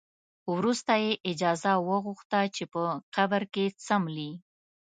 وروسته یې اجازه وغوښته چې په قبر کې څملي.